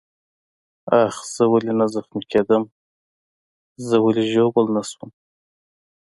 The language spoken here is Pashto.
آخ، زه ولې نه زخمي کېدم؟ زه ولې ژوبل نه شوم؟